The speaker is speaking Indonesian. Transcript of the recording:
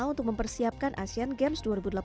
untuk mempersiapkan asean games dua ribu delapan belas